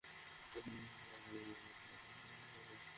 দ্বিতীয়ত বলেছি অবৈধ অস্ত্রবিরোধী অভিযান চালাতে এবং বৈধ অস্ত্র জমা নিতে।